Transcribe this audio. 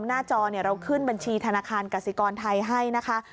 หน้าจอเราขึ้นบัญชีธนาคารกสิกรไทยให้นะคะ